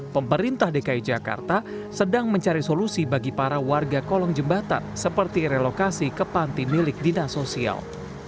pemerintah dki jakarta sedang mencari solusi bagi para warga kolong jembatan seperti relokasi ke panti milik dinas sosial